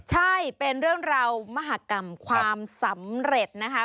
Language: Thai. ใช่เป็นเรื่องราวมหากรรมความสำเร็จนะคะ